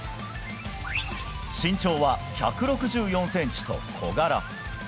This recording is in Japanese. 身長は１６４ｃｍと小柄。